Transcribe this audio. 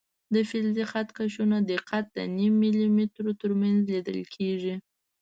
د فلزي خط کشونو دقت د نیم ملي مترو تر منځ لیدل کېږي.